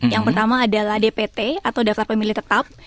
yang pertama adalah dpt atau daftar pemilih tetap